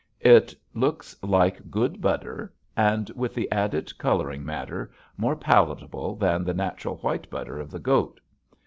It looks like good butter and, with the added coloring matter, more palatable than the natural white butter of the goat.